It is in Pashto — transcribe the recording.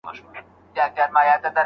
کتابونه څېړونکو ته ورکول کېږي.